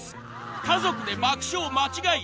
［家族で爆笑間違いなし］